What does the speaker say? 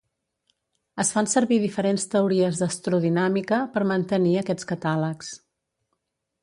Es fan servir diferents teories d'astrodinàmica per mantenir aquests catàlegs.